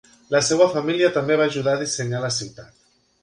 La seva família també va ajudar a dissenyar la ciutat.